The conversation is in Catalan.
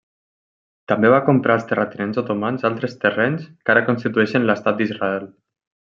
També va comprar als terratinents otomans altres terrenys que ara constitueixen l'Estat d'Israel.